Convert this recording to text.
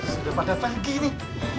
sudah pada pagi nih